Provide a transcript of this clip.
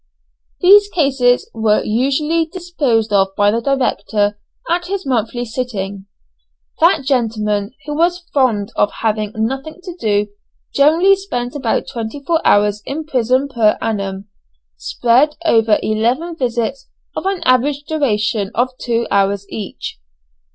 These cases were usually disposed of by the director at his monthly sitting. That gentleman who was fond of having nothing to do generally spent about twenty four hours in prison per annum, spread over eleven visits of an average duration of two hours each.